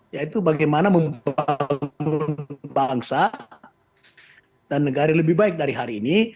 yaitu bagaimana membangun bangsa dan negara yang lebih baik dari hari ini